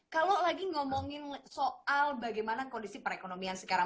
kalau lagi ngomongin soal bagaimana kondisi perekonomian sekarang